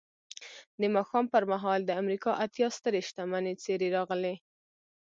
د ماښام پر مهال د امریکا اتیا سترې شتمنې څېرې راغلې